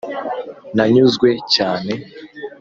nanyuzwe cyane.